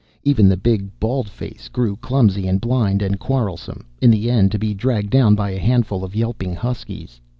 Even the big bald face grew clumsy and blind and quarrelsome, in the end to be dragged down by a handful of yelping huskies.